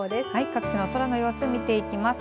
各地の空の様子を見てきます。